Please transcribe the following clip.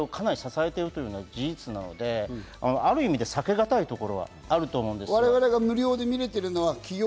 これがそういう会社の経営をかなり支えているというのは事実なので、ある意味で避けがたいところはあると思うんです。